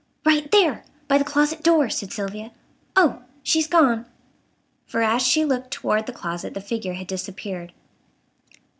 "Right there! By the closet door," said Sylvia. "Oh! she's gone!" For as she looked toward the closet the figure had disappeared.